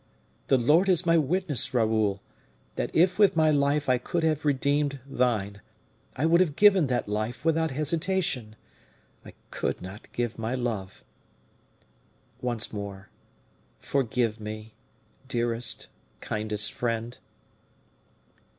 The Lord is my witness, Raoul, that if with my life I could have redeemed thine, I would have given that life without hesitation. I could not give my love. Once more, forgive me, dearest, kindest friend."